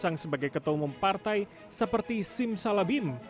sang sebagai ketua umum partai seperti sim salabim